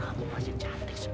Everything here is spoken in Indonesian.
aku dia ipu